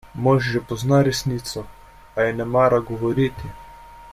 Mož že pozna resnico, a je ne mara govoriti.